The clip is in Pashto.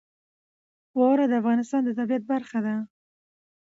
واوره د افغانستان د طبیعت برخه ده.